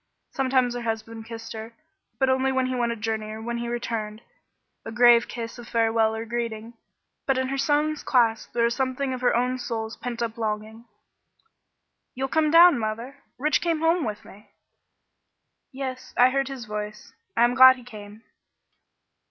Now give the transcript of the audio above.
Sometimes her husband kissed her, but only when he went a journey or when he returned, a grave kiss of farewell or greeting; but in her son's clasp there was something of her own soul's pent up longing. "You'll come down, mother? Rich came home with me." "Yes, I heard his voice. I am glad he came."